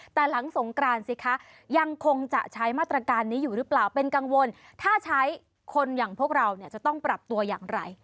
แต่หลังสงกรานสิคะยังคงจะใช้มาตรการนี้อยู่หรือเปล่าเป็นกังวลถ้าใช้คนอย่างพวกเราเนี่ยจะต้องปรับตัวอย่างไร